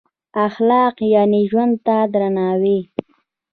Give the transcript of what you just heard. اخلاق یعنې ژوند ته درناوی.